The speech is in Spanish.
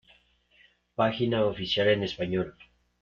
Página oficial en Español